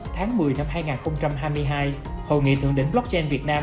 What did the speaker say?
tháng một mươi năm hai nghìn hai mươi hai hội nghị thượng đỉnh blockchain việt nam